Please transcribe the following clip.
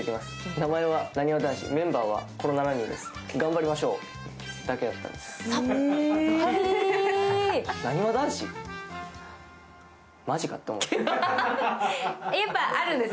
名前はなにわ男子、メンバーはこの７人です、頑張りましょうだけやったんです。